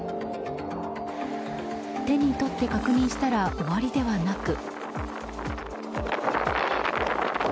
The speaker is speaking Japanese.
手に取って確認したら終わりではなく。